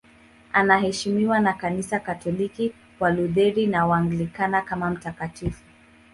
Anaheshimiwa na Kanisa Katoliki, Walutheri na Waanglikana kama mtakatifu.